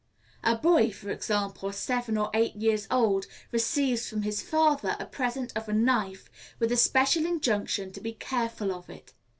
A boy, for example, seven or eight years old, receives from his father a present of a knife, with a special injunction to be careful of it.